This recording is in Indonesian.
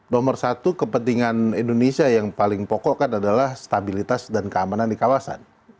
nomor satu kepentingan indonesia yang paling pokok kan adalah stabilitas dan keamanan di kawasan